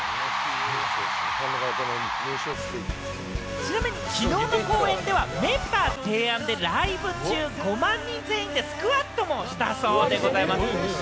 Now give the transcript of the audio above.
ちなみにきのうの公演ではメンバー提案でライブ中、５万人全員でスクワットもしたそうでございます。